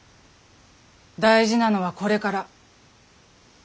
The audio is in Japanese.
大事なのはこれから。